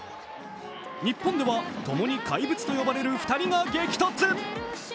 日本では共に怪物と呼ばれる２人が激突。